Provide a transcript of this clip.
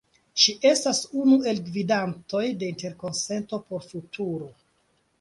Ŝi estas unu el gvidantoj de Interkonsento por Futuro.